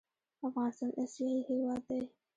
افغانستان اسیایي هېواد دی.